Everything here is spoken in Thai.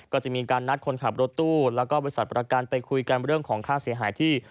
ก็จะมีการนัดคนขับรถตู้แล้วก็บริษัทประกันไปคุยกันเรื่องของค่าเสียหายที่